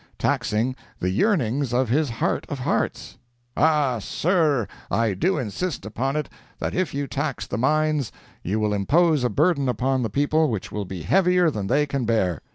—taxing the yearnings of his heart of hearts! Ah, sir, I do insist upon it that if you tax the mines, you will impose a burden upon the people which will be heavier than they can bear.